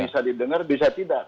bisa didengar bisa tidak